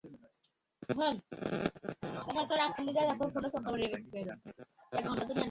তাঁদের সম্পর্কের সঙ্গে মিলিয়ে নাটকের নামটিও তাই মিস্টার অ্যান্ড মিসেস রাখা।